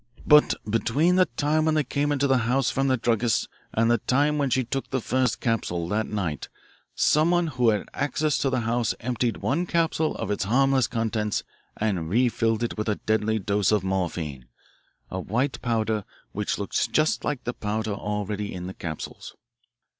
But between the time when they came into the house from the druggist's and the time when she took the first capsule, that night, someone who had access to the house emptied one capsule of its harmless contents and refilled it with a deadly dose of morphine a white powder which looks just like the powder already in the capsules.